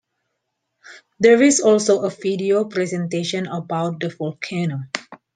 There is also a video presentation about the volcano.